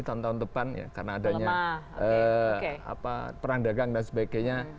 tahun tahun depan karena adanya peran dagang dan sebagainya